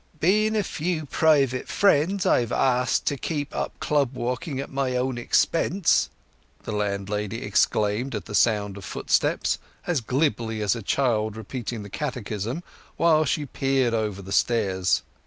"—Being a few private friends I've asked in to keep up club walking at my own expense," the landlady exclaimed at the sound of footsteps, as glibly as a child repeating the Catechism, while she peered over the stairs.